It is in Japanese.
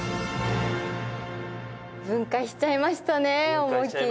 分解しちゃいましたね思いっきり。